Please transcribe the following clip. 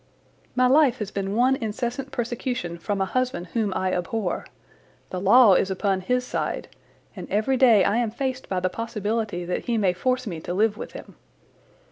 "My life has been one incessant persecution from a husband whom I abhor. The law is upon his side, and every day I am faced by the possibility that he may force me to live with him.